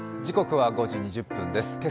時刻は５時２０分です。